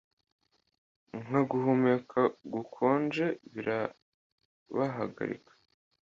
nka guhumeka gukonje birabahagarika